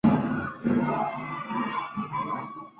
La tasa de población actual se desconoce aunque fluctúa.